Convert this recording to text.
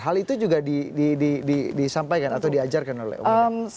hal itu juga disampaikan atau diajarkan oleh om idang